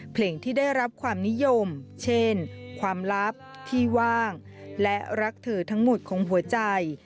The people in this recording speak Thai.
เพลงที่ได้รับความนิยมเช่นความลับที่ว่างและรักเธอทั้งหมดของหัวใจ